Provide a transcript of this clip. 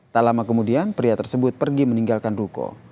tak lama kemudian pria tersebut pergi meninggalkan ruko